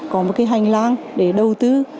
có một hành lang để đầu tư